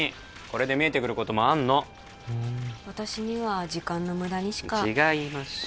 これで見えてくることもあんのふん私には時間の無駄にしか違います